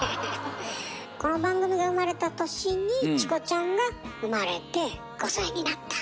この番組が生まれた年に千瑚ちゃんが生まれて５歳になった。